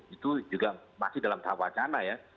itu juga masih dalam tahap wacana ya